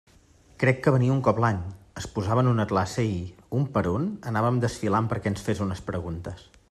Crec que venia un cop l'any, es posava en una classe i, un per un, anàvem desfilant perquè ens fes unes preguntes.